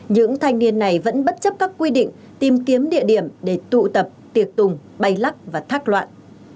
những thanh niên này vẫn bất chấp các quy định tìm kiếm địa điểm để tụ tập tiệc tùng bay lắc và thác loạn